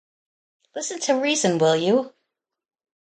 Listen to reason, will you?